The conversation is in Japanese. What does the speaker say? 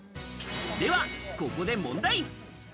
ではここで問題。